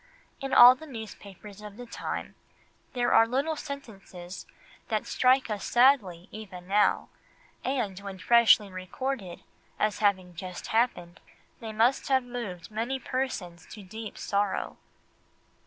In all the newspapers of the time, there are little sentences that strike us sadly even now, and when freshly recorded, as having just happened, they must have moved many persons to deep sorrow.